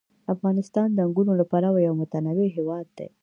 افغانستان د انګورو له پلوه یو متنوع هېواد دی.